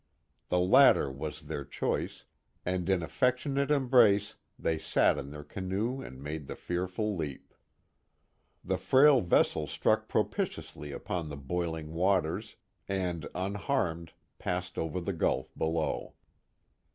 The latter was their choice, and in affectionate embrace they sat in their canoe and made the fearful leap. The frail vessel struck propitiously upon the boiling waters, and, unharmed, passed over the gulf below.